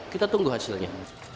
kita tunggu hasilnya